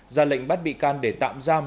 ra lệnh bắt bị can để tạm giam